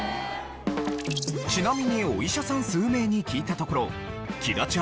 ちなみにお医者さん数名に聞いたところキダチ